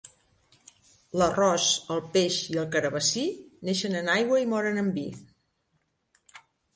L'arròs, el peix i el carabassí, neixen en aigua i moren en vi.